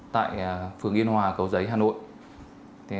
tại phường yên hòa cầu giấy hà nội